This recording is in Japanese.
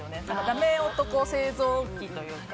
ダメ男製造機というか。